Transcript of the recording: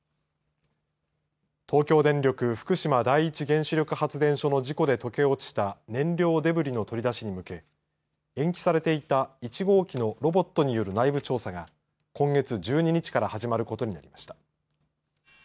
東京電力福島第一原子力発電所の事故で溶け落ちた燃料デブリの取り出しに向け延期されていた１号機のロボットによる内部調査が今月１２日から始まることになりました。